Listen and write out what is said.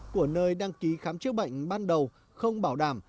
của nơi đăng ký khám chữa bệnh ban đầu không bảo đảm